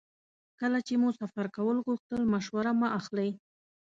کله چې مو سفر کول غوښتل مشوره مه اخلئ.